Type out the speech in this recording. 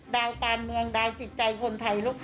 ดาวการเมืองดาวจิตใจคนไทยลูก